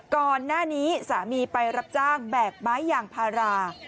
ก่อนหน้านี้สามีไปรับจ้างแบกไม้ยางพารา